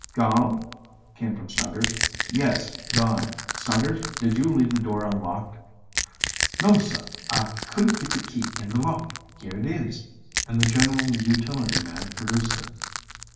"Gone?" came from Snuggers. "Yes, gone. Snuggers did you leave the door unlocked?" "No, sir, I couldn't get the key in the lock. Here it is." And the general utility man produced it.